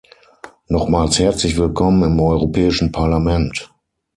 Nochmals herzlich willkommen im Europäischen Parlament!